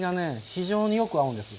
非常によく合うんです。